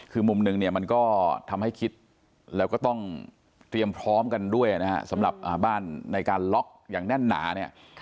คือมุมหนึ่งเนี่ยมันก็ทำให้คิดแล้วก็ต้องเตรียมพร้อมกันด้วยนะฮะสำหรับบ้านในการล็อกอย่างแน่นหนาเนี่ย